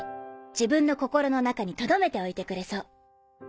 自分の心の中にとどめておいてくれそう。